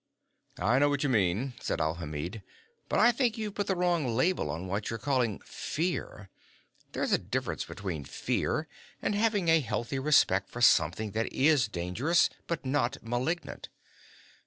"I know what you mean," said Alhamid, "but I think you've put the wrong label on what you're calling 'fear'; there's a difference between fear and having a healthy respect for something that is dangerous but not malignant.